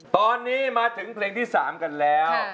ตอนนี้มาถึงเพลงที่๓กันแล้ว